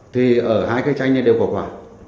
thì ở hai cái tranh này đều có quả